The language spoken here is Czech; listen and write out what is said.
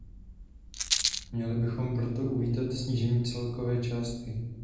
Měli bychom proto uvítat snížení celkové částky.